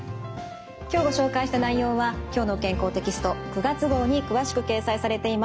今日ご紹介した内容は「きょうの健康」テキスト９月号に詳しく掲載されています。